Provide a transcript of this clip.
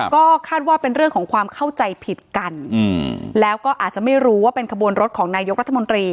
ก็คาดว่าเป็นเรื่องของความเข้าใจผิดกันแล้วก็อาจจะไม่รู้ว่าเป็นขบวนรถของนายกรัฐมนตรี